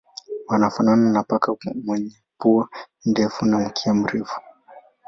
Wanafanana na paka wenye pua ndefu na mkia mrefu.